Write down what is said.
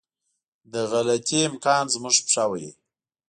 د غلطي امکان زموږ پښه وهي.